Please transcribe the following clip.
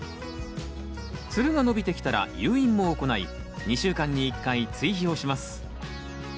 つるが伸びてきたら誘引も行い２週間に１回追肥をします。